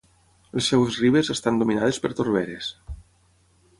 Les seves ribes estan dominades per torberes.